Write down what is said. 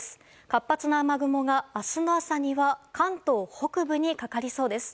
活発な雨雲が明日の朝には関東北部にかかりそうです。